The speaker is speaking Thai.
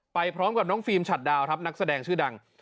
ไปพร้อมกับน้องฟิล์มฉัดดาวครับนักแสดงชื่อดัง